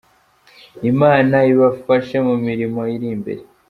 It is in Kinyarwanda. Imana ibafashe mu mirimo iri imbere.